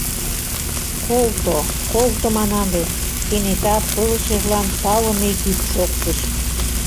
— Колто, колто манам вет! — кенета пылышыжлан палыме йӱк шоктыш.